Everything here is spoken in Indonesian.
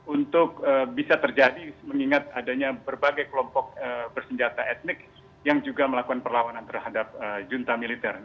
untuk bisa terjadi mengingat adanya berbagai kelompok bersenjata etnik yang juga melakukan perlawanan terhadap junta militer